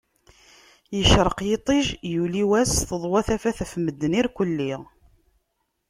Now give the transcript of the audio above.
Yecreq yiṭij, yuli wass, teḍwa tafat ɣef medden irkulli.